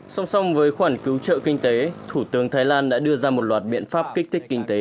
song song với khoản cứu trợ kinh tế thủ tướng thái lan đã đưa ra một loạt biện pháp kích thích kinh tế